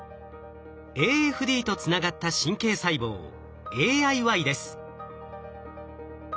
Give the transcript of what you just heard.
ＡＦＤとつながった神経細胞ＡＩＹです。